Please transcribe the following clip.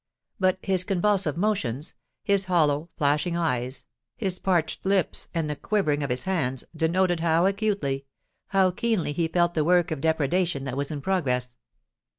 But his convulsive motions—his hollow, flashing eyes—his parched lips—and the quivering of his hands, denoted how acutely—how keenly he felt the work of depredation that was in progress.